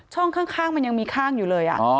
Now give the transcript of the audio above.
ข้างมันยังมีข้างอยู่เลย